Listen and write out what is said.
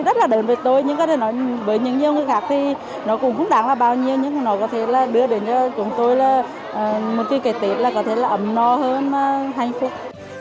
rất là lớn với tôi nhưng có thể nói với những nhiều người khác thì nó cũng không đáng là bao nhiêu nhưng nó có thể là đưa đến cho chúng tôi là một cái tết là có thể là ấm no hơn và hạnh phúc